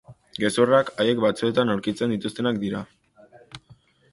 Gezurrak, haiek batzuetan aurkitzen dituztenak dira.